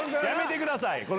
やめてください！